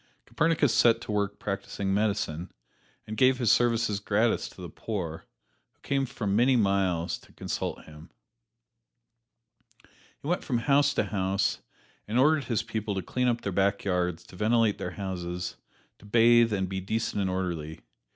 Copernicus set to work practising medicine, and gave his services gratis to the poor, who came for many miles to consult him. He went from house to house and ordered his people to clean up their back yards, to ventilate their houses, to bathe and be decent and orderly.